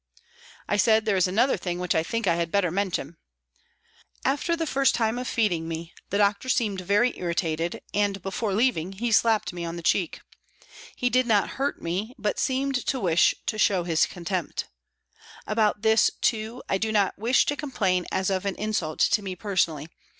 I said, " There is another thing which I think I had better mention. After the first time of feeding me, the doctor seemed very irritated and, before leaving, he slapped me on the cheek ; he did not hurt me, but seemed to wish to show his contempt ; about this, too, I do not wish to complain as of an insult to me personally.